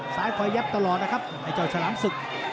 สายขวาเย็บตลอดนะครับไอ้เจ้าฉลามสึก